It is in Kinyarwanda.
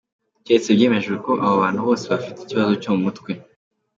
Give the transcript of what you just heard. Keretse byemejwe ko abo bantu bose bafite ikibazo cyo mu mutwe.